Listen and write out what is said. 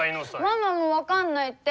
ママも分かんないって。